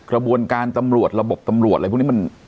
กระบวนการตำรวจระบบตำรวจอะไรพวกนี้มัน